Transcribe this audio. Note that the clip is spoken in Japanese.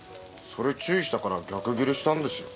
それ注意したから逆ギレしたんですよ。